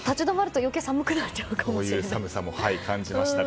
そういう寒さも感じましたが。